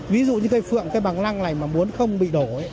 ví dụ như cây phượng cái bằng lăng này mà muốn không bị đổ